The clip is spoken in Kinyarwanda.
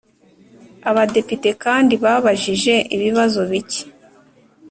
abadepite kandi babajije ibibazo bike